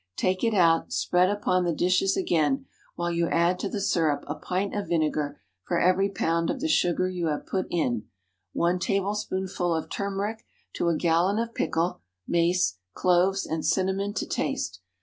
Take it out, spread upon the dishes again, while you add to the syrup a pint of vinegar for every pound of the sugar you have put in, one tablespoonful of turmeric to a gallon of pickle; mace, cloves and cinnamon to taste.